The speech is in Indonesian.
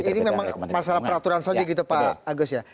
ini memang masalah peraturan saja gitu pak agus ya